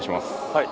はい。